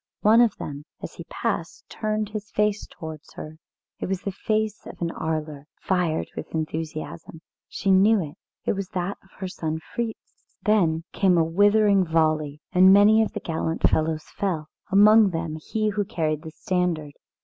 One of them, as he passed, turned his face towards her; it was the face of an Arler, fired with enthusiasm, she knew it; it was that of her son Fritz. Then came a withering volley, and many of the gallant fellows fell, among them he who carried the standard.